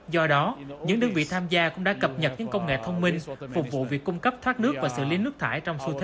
do đó những đơn vị tham gia cũng đã cập nhật những công nghệ thông minh phục vụ việc cung cấp thoát nước và xử lý nước thải trong xu thế